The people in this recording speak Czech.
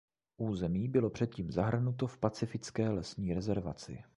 Území bylo předtím zahrnuto v Pacifické lesní rezervaci.